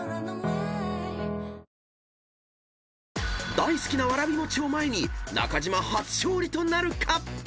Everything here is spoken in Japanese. ［大好きなわらび餅を前に中島初勝利となるか⁉］